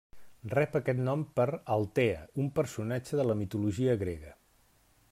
Rep aquest nom per Altea, un personatge de la mitologia grega.